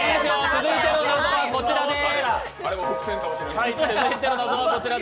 続いての謎はこちらです。